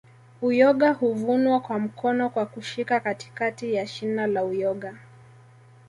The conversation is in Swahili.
Uyoga huvunwa kwa mkono kwa kushika katikati ya shina la uyoga